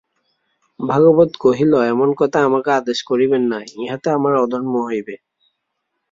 ভাগবত কহিল, এমন কথা আমাকে আদেশ করিবেন না, ইহাতে আমার অধর্ম হইবে।